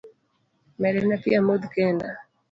Medna pi amodh kendo